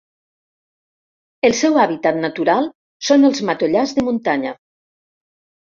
El seu hàbitat natural són els matollars de muntanya.